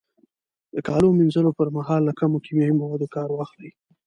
د کالو مینځلو پر مهال له کمو کیمیاوي موادو کار واخلئ.